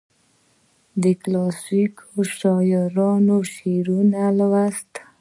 د کلاسیکو شاعرانو شعرونه لوستل.